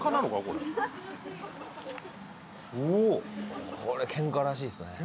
これおお・これケンカらしいですね